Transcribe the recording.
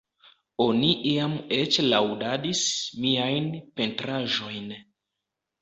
Oni iam eĉ laŭdadis miajn pentraĵojn.